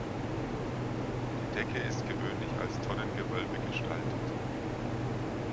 Die Decke ist gewöhnlich als Tonnengewölbe gestaltet.